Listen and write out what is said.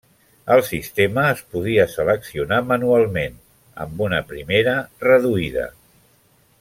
El sistema es podia seleccionar manualment, amb una primera reduïda.